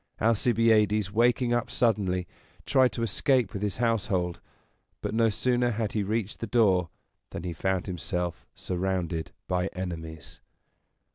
Alcibiades, waking up suddenly, tried to escape with his household; but no sooner had he reached the door than he found himself surrounded by enemies.